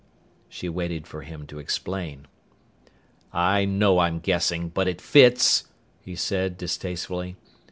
She waited for him to explain. "I know I'm guessing, but it fits!" he said distastefully.